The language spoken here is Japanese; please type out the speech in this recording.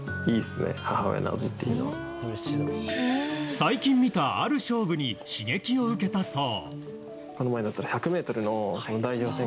最近見た、ある勝負に刺激を受けたそう。